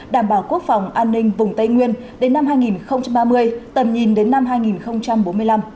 đảm bảo quốc phòng an ninh vùng tây nguyên đến năm hai nghìn ba mươi tầm nhìn đến năm hai nghìn bốn mươi năm